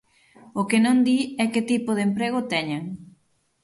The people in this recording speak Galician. O que non di é que tipo de emprego teñen.